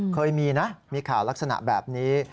เคยมีนะมีข่าวลักษณะแบบนี้